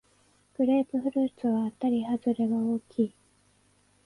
グレープフルーツはあたりはずれが大きい